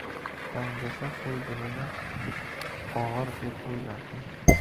• Dangasa qo‘y junini og‘ir deb o‘ylarkan.